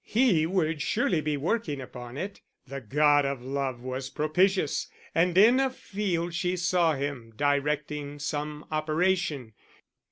He would surely be working upon it. The god of love was propitious, and in a field she saw him, directing some operation.